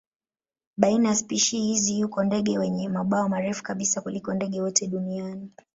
Baina ya spishi hizi yuko ndege wenye mabawa marefu kabisa kuliko ndege wote duniani.